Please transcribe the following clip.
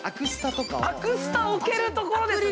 アクスタ置ける所ですね。